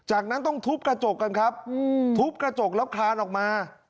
จากนั้นต้องทุบกระจกกันครับทุบกระจกแล้วคลานออกมา